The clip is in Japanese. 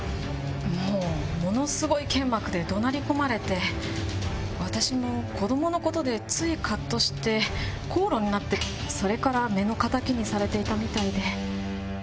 もうものすごいけんまくで怒鳴り込まれて私も子供のことでついカッとして口論になってそれから目の敵にされていたみたいで。